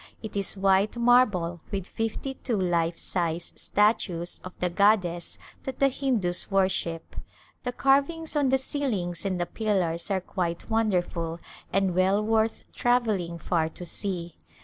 It is white marble with fifty two life size statues of the goddess that the Hindus worship ; the carvings on the ceilings and the pillars are quite wonderful and well worth travellino far to see.